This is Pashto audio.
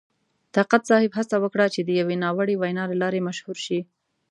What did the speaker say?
طاقت صاحب هڅه وکړه چې د یوې ناوړې وینا له لارې مشهور شي.